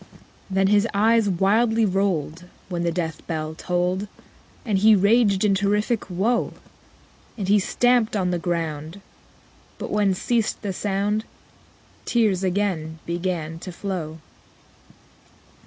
_25 5. Then his eyes wildly rolled, When the death bell tolled, And he raged in terrific woe. And he stamped on the ground, But when ceased the sound, _30 Tears again began to flow.